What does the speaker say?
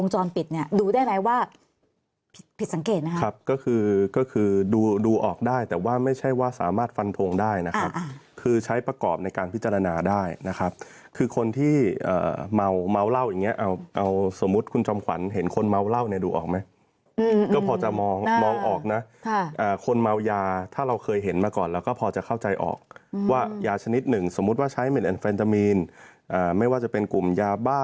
หรือดูออกได้แต่ว่าไม่ใช่ว่าสามารถฟันโทงได้นะครับคือใช้ประกอบในการพิจารณาได้นะครับคือคนที่เมาเหล้าอย่างเงี้ยเอาสมมุติคุณจอมขวัญเห็นคนเมาเหล้าเนี่ยดูออกไหมก็พอจะมองออกนะคนเมายาถ้าเราเคยเห็นมาก่อนแล้วก็พอจะเข้าใจออกว่ายาชนิดหนึ่งสมมุติว่าใช้เมล็ดแอนเฟนตามีนไม่ว่าจะเป็นกลุ่มยาบ